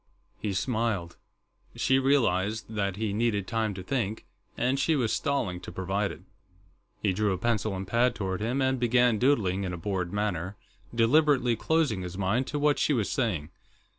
He smiled; she realized that he needed time to think, and she was stalling to provide it. He drew a pencil and pad toward him and began doodling in a bored manner, deliberately closing his mind to what she was saying.